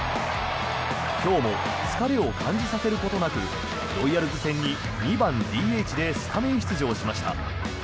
今日も疲れを感じさせることなくロイヤルズ戦に２番ＤＨでスタメン出場しました。